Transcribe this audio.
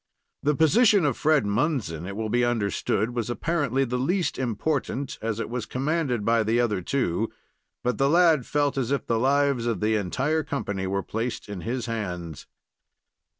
The position of Fred Munson, it will be understood, was apparently the least important, as it was commanded by the other two, but the lad felt as if the lives of the entire company were placed in his hands.